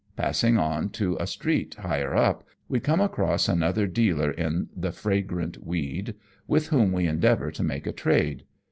Passing on to a street higher up, we come across another dealer in the fragrant weed, with whom we endeavour to make a trade.